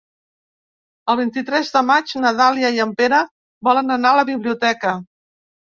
El vint-i-tres de maig na Dàlia i en Pere volen anar a la biblioteca.